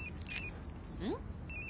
うん？